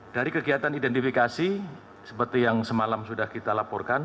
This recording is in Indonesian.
dari kegiatan identifikasi seperti yang semalam sudah kita laporkan